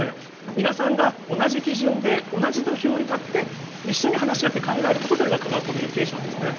皆さんが同じ基準で、同じ土俵に立って、一緒に話し合って考えることというのは、科学コミュニケーションですね。